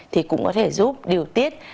thì cũng có thể giúp điều tiết